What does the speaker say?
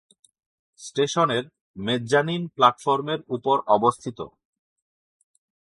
স্টেশনের মেজ্জানিন প্ল্যাটফর্মের উপর অবস্থিত।